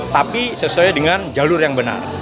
tapi sesuai dengan jalur yang benar